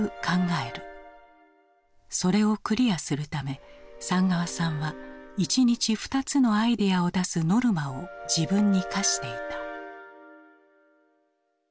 それをクリアするため寒川さんは一日２つのアイデアを出すノルマを自分に課していた。